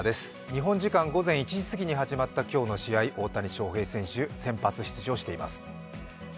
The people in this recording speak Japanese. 日本時間午前１時過ぎから始まった今日の試合、大谷翔平選手、先発出場しています